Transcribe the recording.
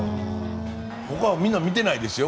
ここみんな見てないですよ。